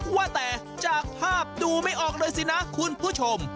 ว่าแต่จากภาพดูไม่ออกเลยสินะคุณผู้ชม